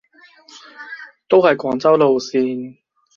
都係廣州路線